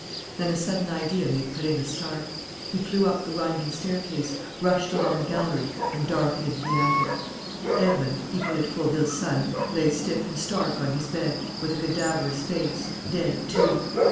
Then a sudden idea made Perenna start. He flew up the winding staircase, rushed along the gallery, and darted into the attic. Edmond, Hippolyte Fauville's son, lay stiff and stark on his bed, with a cadaverous face, dead, too.